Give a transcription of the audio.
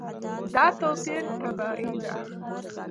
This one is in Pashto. دا توپیر طبیعي دی.